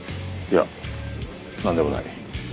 いやなんでもない。